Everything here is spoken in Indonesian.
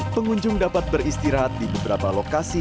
pengunjung dapat beristirahat di beberapa lokasi